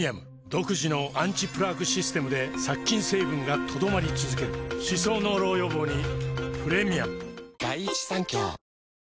独自のアンチプラークシステムで殺菌成分が留まり続ける歯槽膿漏予防にプレミアム